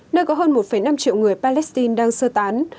nơi có hơn một năm triệu người palestine đang sơ tán